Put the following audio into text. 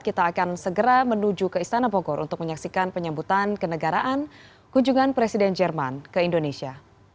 kita akan segera menuju ke istana bogor untuk menyaksikan penyambutan kenegaraan kunjungan presiden jerman ke indonesia